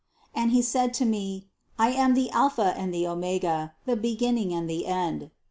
And He said to me: "I am the Alpha and the Omega: the beginning and the end."